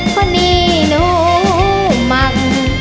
คนนี้หนูมัน